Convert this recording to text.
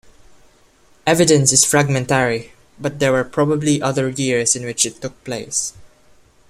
Evidence is fragmentary, but there were probably other years in which it took place.